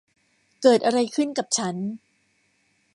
เกิดอะไรขึ้นกับฉัน